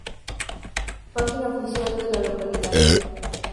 Página oficial de la localidad